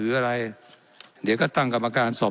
และยังเป็นประธานกรรมการอีก